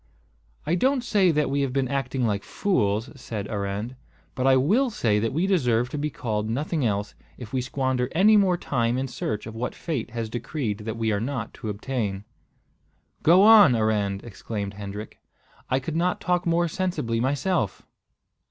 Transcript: "I don't say that we have been acting like fools," said Arend; "but I will say that we deserve to be called nothing else, if we squander any more time in search of what fate has decreed that we are not to obtain." "Go on, Arend!" exclaimed Hendrik. "I could not talk more sensibly myself."